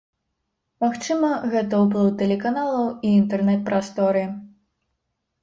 Магчыма, гэта ўплыў тэлеканалаў і інтэрнэт-прасторы.